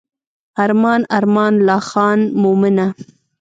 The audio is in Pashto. ارمان ارمان لا خان مومنه.